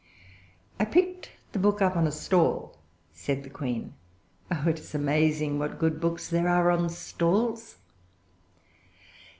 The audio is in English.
"I picked the book up on a stall," said the Queen. "Oh, it is amazing what good books there are on stalls!"